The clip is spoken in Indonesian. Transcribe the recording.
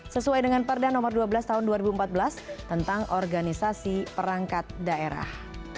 sesuai dengan perda nomor dua belas tahun dua ribu empat belas tentang organisasi perangkat daerah